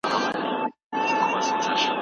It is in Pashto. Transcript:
دا موضوع په حقیقت کي یوه لویه علمي ننګونه ده.